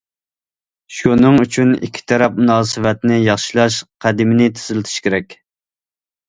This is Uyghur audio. شۇنىڭ ئۈچۈن، ئىككى تەرەپ مۇناسىۋەتنى ياخشىلاش قەدىمىنى تېزلىتىش كېرەك.